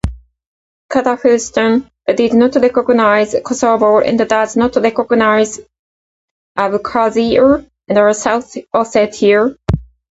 Kazakhstan did not recognise Kosovo and does not recognise Abkhazia and South Ossetia.